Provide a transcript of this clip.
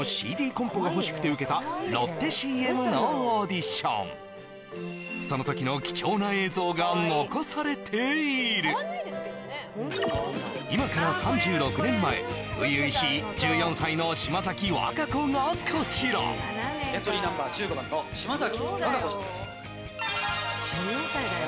コンポが欲しくて受けたロッテＣＭのオーディションその時の今から３６年前初々しい１４歳の島崎和歌子がこちらエントリーナンバー１５番の島崎和歌子ちゃんです